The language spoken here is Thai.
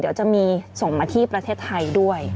เดี๋ยวจะมีส่งมาที่ประเทศไทยด้วย